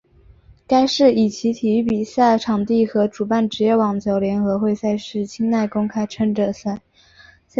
该市以其体育比赛场地和主办职业网球联合会赛事清奈公开赛着称。